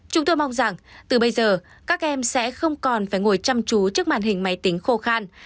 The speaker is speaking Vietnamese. chúng tôi mong rằng từ bây giờ các em sẽ không còn phải ngồi chăm chú trước màn hình máy tính khô khan